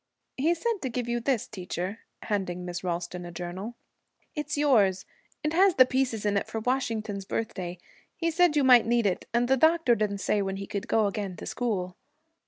'He said to give you this, teacher,' handing Miss Ralston a journal. 'It's yours. It has the pieces in it for Washington's Birthday. He said you might need it, and the doctor didn't say when he could go again to school.'